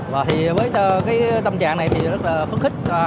với cái tâm trạng này thì rất là phấn khích